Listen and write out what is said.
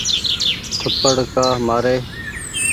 ٿپڙ ڪآ مآ ري ۔